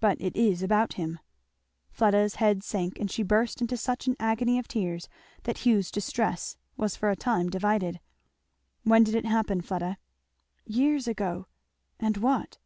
"But it is about him?" Fleda's head sank, and she burst into such an agony of tears that Hugh's distress was for a time divided. "When did it happen, Fleda?" "Years ago." "And what?"